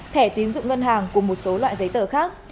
thẻ tiến dụng ngân hàng cùng một số loại giấy tờ khác